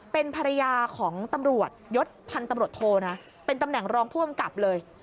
เป็นภรรยาของตำรวจยศพันธุ์ตำรวจโทนะเป็นตำแหน่งรองผู้กำกับเลย